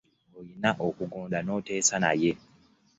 Olina okugonda noteesa naye.